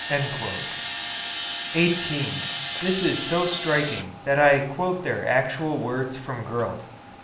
] [Footnote 18: This is so striking that I quote their actual words from Gurlt, p.